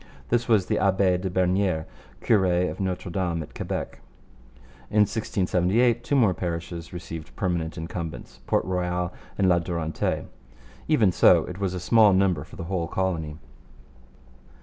This was the Abbe de Bernieres, cure of Notre Dame at Quebec. In 1678 two more parishes received permanent incumbents Port Royal and La Durantaye. Even so, it was a small number for the whole colony.